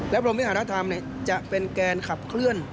กรมวิหารธรรมจะเป็นแกนขับเคลื่อน